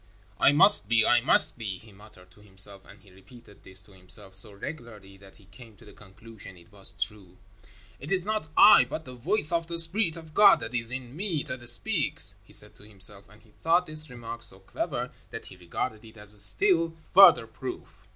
"I must be, I must be," he muttered to himself, and he repeated this to himself so regularly that he came to the conclusion it was true. "It is not I, but the voice of the Spirit of God that is in me that speaks," he said to himself, and he thought this remark so clever that he regarded it as still further proof.